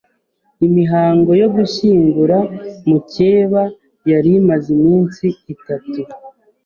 Imihango yo gushyingura Mukesha yari imaze iminsi itatu.